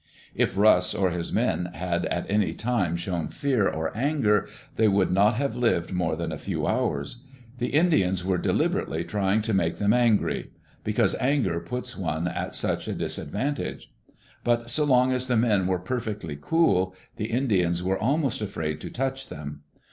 If Ross or his men had at any time shown fear or anger they would not have lived more than a few hours. The Indians were deliberately trying to make them angry, because anger puts one at such a disadvantage. But so long as the men were perfectly cool, the Indians were almost afraid to touch them.